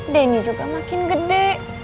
denny juga makin gede